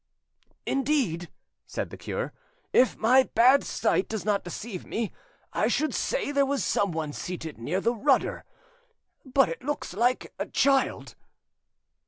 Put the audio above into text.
"Indeed," said the cure, "if my bad sight does not deceive me, I should say there was someone seated near the rudder; but it looks like a child."